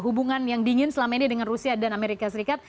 hubungan yang dingin selama ini dengan rusia dan amerika serikat